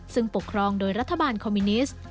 ซึ่งปกครองโดยรัฐบาลคอมมิวนิสต์